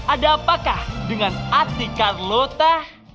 ada apakah dengan ati karlota